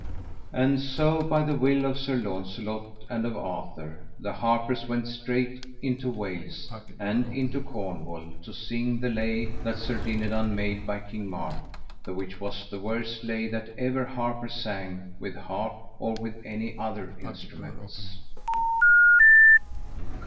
And so by the will of Sir Launcelot, and of Arthur, the harpers went straight into Wales, and into Cornwall, to sing the lay that Sir Dinadan made by King Mark, the which was the worst lay that ever harper sang with harp or with any other instruments.